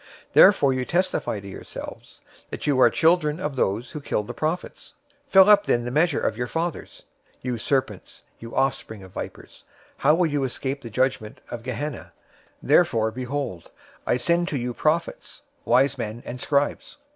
023:031 Therefore you testify to yourselves that you are children of those who killed the prophets. 023:032 Fill up, then, the measure of your fathers. 023:033 You serpents, you offspring of vipers, how will you escape the judgment of Gehenna{or, Hell}? 023:034 Therefore, behold, I send to you prophets, wise men, and scribes.